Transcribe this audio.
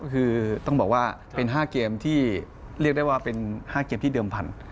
คือต้องบอกว่าเป็น๕เกมที่เรียกได้ว่าเป็น๕เกมที่เดิมพันธ